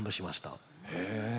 へえ。